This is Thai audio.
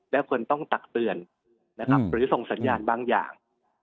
แล้วควรต้องตักเตือนนะครับหรือส่งสัญญาณบางอย่าง